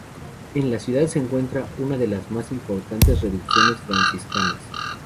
En la ciudad se encuentra una de las más importantes Reducciones Franciscanas.